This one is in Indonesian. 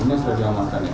ini sudah diamankan ya